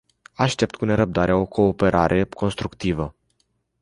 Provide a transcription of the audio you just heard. Aștept cu nerăbdare o cooperare constructivă.